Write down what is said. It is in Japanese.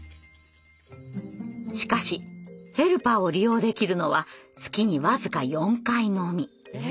しかしヘルパーを利用できるのは月に僅か４回のみ。